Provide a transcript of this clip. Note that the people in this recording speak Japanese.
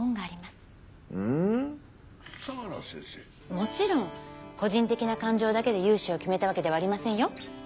もちろん個人的な感情だけで融資を決めたわけではありませんよ。